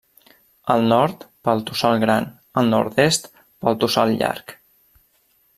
Al nord, pel Tossal Gran, al nord-est pel Tossal Llarg.